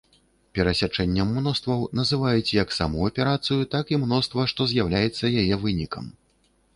Перасячэннем мностваў называюць як саму аперацыю, так і мноства, што з'яўляецца яе вынікам.